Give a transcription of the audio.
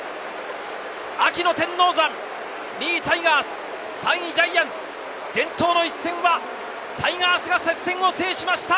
秋の天王山、２位タイガース、３位ジャイアンツ、伝統の一戦は、タイガースが接戦を制しました。